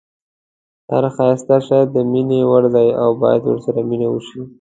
هر ښایسته شی د مینې وړ دی او باید ورسره مینه وشي.